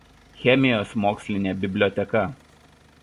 Chemijos mokslinė biblioteka.